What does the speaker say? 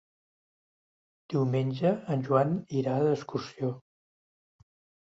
Diumenge en Joan irà d'excursió.